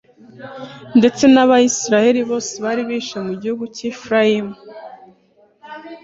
ndetse n'abayisraheli bose bari bihishe mu misozi y'i efurayimu